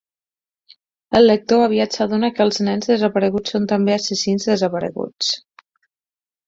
El lector aviat s'adona que els nens desapareguts són també assassins desapareguts.